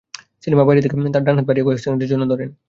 সেলিমা বাইরে থেকে তাঁর ডান হাত বাড়িয়ে কয়েক সেকেন্ডের জন্য ধরেন।